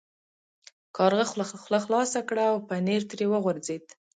کارغه خوله خلاصه کړه او پنیر ترې وغورځید.